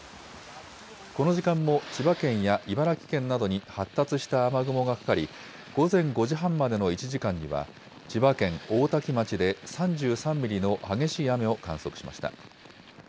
この時間も千葉県や茨城県などに発達した雨雲がかかり、午前５時半までの１時間には、千葉県大多喜町で３３ミリの激しい雨を観測しました。